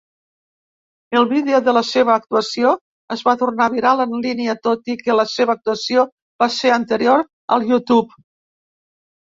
El vídeo de la seva actuació es va tornar viral en línia tot i que la seva actuació va ser anterior a YouTube.